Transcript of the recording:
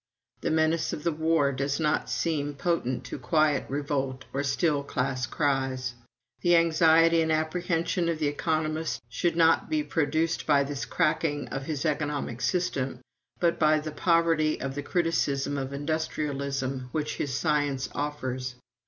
The menace of the war does not seem potent to quiet revolt or still class cries. The anxiety and apprehension of the economist should not be produced by this cracking of his economic system, but by the poverty of the criticism of industrialism which his science offers.